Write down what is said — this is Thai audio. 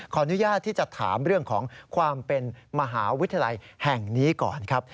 ขออนุญาตที่จะถามเรื่องของความเป็นมหาวิทยาลัยแห่งนี้ก่อนครับ